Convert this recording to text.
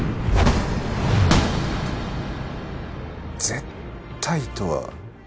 絶対とは。